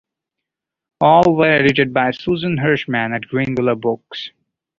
All were edited by Susan Hirschman at Greenwillow Books.